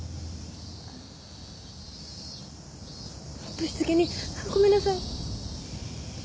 ぶしつけにごめんなさい。